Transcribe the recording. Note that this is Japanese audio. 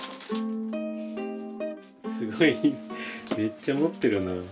すごいめっちゃ持ってるな。